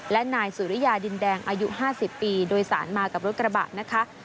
และนายสุริยาดินแดงอายุ๕๐ปีโดยสารมากับรถกระบะนะคะ